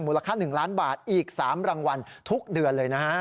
ค่า๑ล้านบาทอีก๓รางวัลทุกเดือนเลยนะฮะ